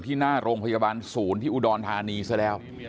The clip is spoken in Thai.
หน้าโรงพยาบาลศูนย์ที่อุดรธานีซะแล้ว